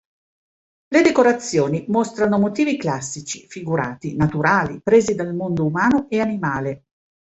Le decorazioni mostrarono motivi classici, figurati, naturali, presi dal mondo umano e animale.